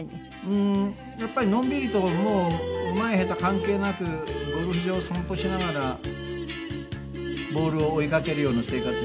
うんやっぱりのんびりともううまい下手関係なくゴルフ場を散歩しながらボールを追いかけるような生活。